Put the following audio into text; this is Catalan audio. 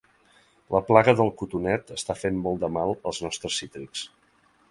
La plaga del cotonet està fent molt de mal als nostres cítrics.